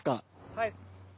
はい。